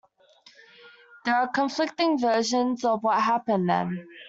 There are conflicting versions of what happened then.